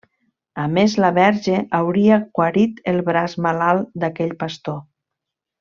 A més la Verge hauria guarit el braç malalt d’aquell pastor.